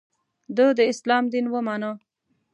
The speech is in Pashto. د ه داسلام دین ومانه.